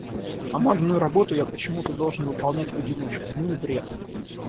Командную работу я почему-то должен выполнять в одиночку. Ну и бред...